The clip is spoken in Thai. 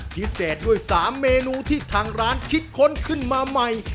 พิเศษด้วย๓เมนูที่ทางร้านคิดค้นขึ้นมาใหม่